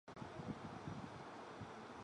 ধূসর মেঘ-ঢাকা আকাশ, ছাই ও সীসার রঙ।